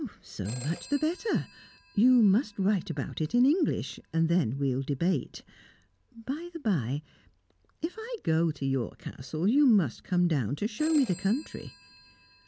"So much the better. You must write about it in English; then we'll debate. By the bye, if I go to your Castle, you must come down to show me the country."